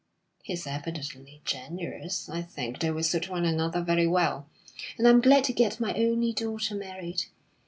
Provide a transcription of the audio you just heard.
He is evidently generous. I think they will suit one another very well, and I am glad to get my only daughter married.